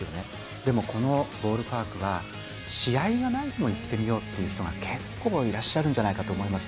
でもこのボールパークは、試合がない日も行ってみようっていう人が、結構いらっしゃるんじゃないかと思います。